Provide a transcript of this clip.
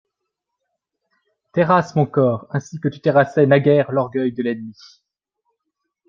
Terrasse mon corps ainsi que tu terrassais naguère l'orgueil de l'ennemi.